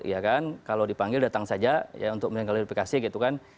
ya kan kalau dipanggil datang saja ya untuk mengklarifikasi gitu kan